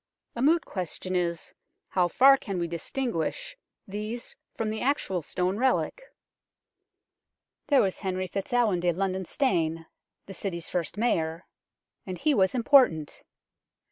A moot question is, how far can we distinguish these from the actual stone relic ? There was Henry FitzAlwin de Londone Stane, the City's first Mayor and he was im portant.